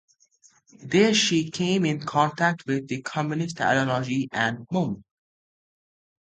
There she came in contact with Communist ideology and movement.